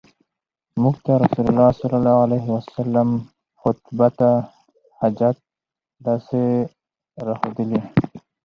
مونږ ته رسول الله صلی الله عليه وسلم خُطْبَةَ الْحَاجَة داسي را ښودلي